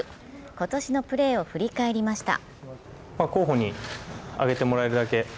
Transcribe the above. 今年のプレーを振り返りました。